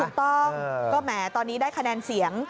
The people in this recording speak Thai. ถูกต้องก็แหมตอนนี้ได้คะแนนเสียง